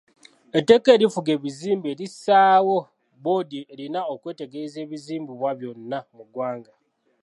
Etteeka erifuga ebizimbe lissaawo boodi erina okwetegereza ebizimbibwa byonna mu ggwanga.